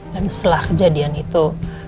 dan setelah kejadian itu